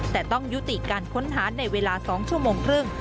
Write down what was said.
แต่ต้องยุติการค้นหาในเวลา๒ชั่วโมงครึ่ง